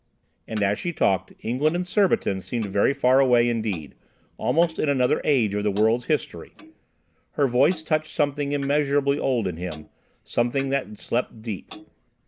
And, as she talked, England and Surbiton seemed very far away indeed, almost in another age of the world's history. Her voice touched something immeasurably old in him, something that slept deep.